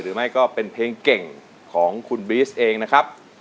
หรือไม่ก็เป็นเพลงเก่งของคุณบีสเองนะครับ